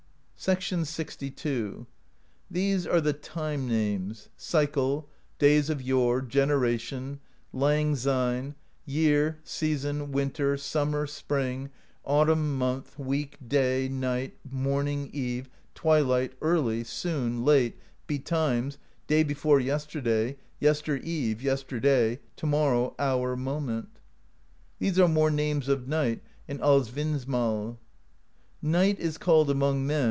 LXIL"These are time names: Cycle, Days of Yore, Gen eration, Lang Syne, Year, Season, Winter, Summer, Spring, Autumn, Month, Week, Day, Night, Morning, Eve, Twi light, Early, Soon, Late, Betimes, Day before Yesterday, Yester Eve, Yesterday, To morrow, Hour, Moment. These are more names of Night in Ahvinnsmal: Night 't is called among men.